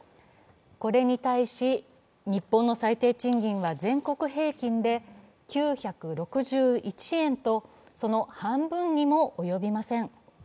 これに対し、日本の最低賃金は全国平均で９６１円とその半分にも及びません。